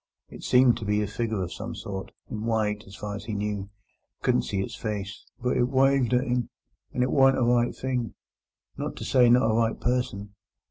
It seemed to be a figure of some sort, in white as far as he knew—couldn't see its face; but it wived at him, and it warn't a right thing—not to say not a right person.